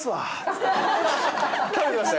食べてました？